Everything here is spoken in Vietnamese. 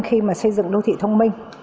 khi mà xây dựng đô thị thông minh